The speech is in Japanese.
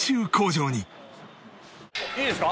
いいですか？